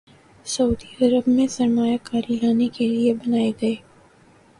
سعودی عرب میں سرمایہ کاری لانے کے لیے بنائے گئے